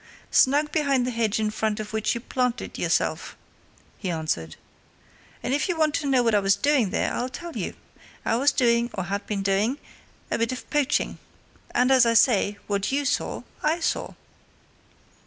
"Snug behind the hedge in front of which you planted yourself," he answered. "And if you want to know what I was doing there, I'll tell you. I was doing or had been doing a bit of poaching. And, as I say, what you saw, I saw!"